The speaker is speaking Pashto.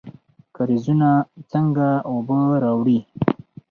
کاریزونه څنګه اوبه راوړي؟